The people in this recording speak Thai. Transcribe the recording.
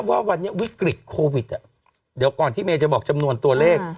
ว่าวันนี้วิกฤตโควิดเดี๋ยวก่อนที่เมย์จะบอกจำนวนตัวเลข